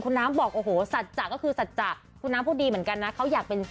คุณน้ำบอกโอ้โหสัจจะก็คือสัจจะคุณน้ำพูดดีเหมือนกันนะ